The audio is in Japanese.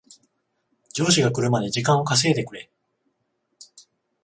上司が来るまで時間を稼いでくれ